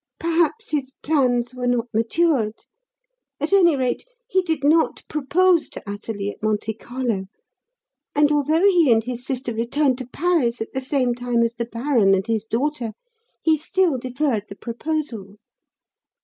Perhaps his plans were not matured. At any rate, he did not propose to Athalie at Monte Carlo; and, although he and his sister returned to Paris at the same time as the baron and his daughter, he still deferred the proposal."